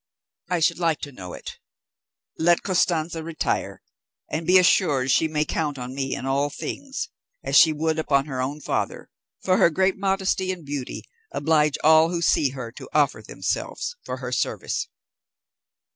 "I should like to know it. Let Costanza retire, and be assured she may count on me in all things, as she would upon her own father; for her great modesty and beauty oblige all who see her to offer themselves for her service."